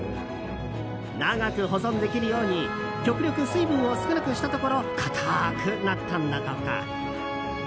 長く保存できるように極力水分を少なくしたところかたーくなったんだとか。